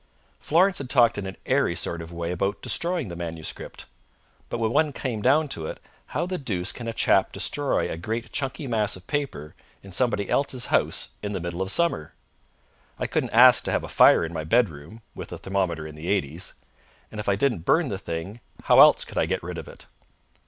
Florence had talked in an airy sort of way about destroying the manuscript; but when one came down to it, how the deuce can a chap destroy a great chunky mass of paper in somebody else's house in the middle of summer? I couldn't ask to have a fire in my bedroom, with the thermometer in the eighties. And if I didn't burn the thing, how else could I get rid of it?